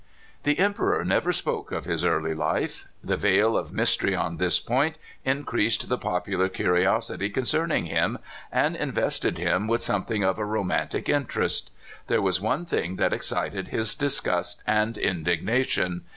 The Emperor never spoke of his early life. The veil of mystery on this point increased the popular curiosity concerning him, and invested him with something of a romantic interest. There was one thing that excited his disgust and indig nation.